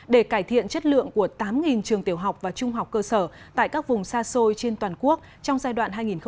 để cải thiện chất lượng của tám trường tiểu học và trung học cơ sở tại các vùng xa xôi trên toàn quốc trong giai đoạn hai nghìn một mươi chín hai nghìn hai mươi